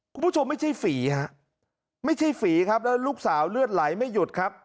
คุณผู้ชมไม่ใช่ฝีฮะไม่ใช่ฝีครับแล้วลูกสาวเลือดไหลไม่หยุดครับ